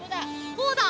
そうだ！